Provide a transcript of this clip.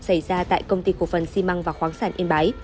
xảy ra tại công ty cổ phần xi măng và khoáng sản yên bái